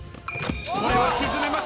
これは沈めます。